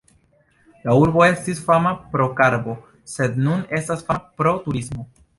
La urbo estis fama pro karbo, sed nun estas fama pro turismo.